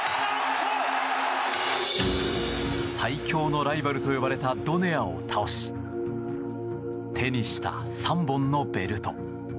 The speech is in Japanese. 最強のライバルと呼ばれたドネアを倒し手にした３本のベルト。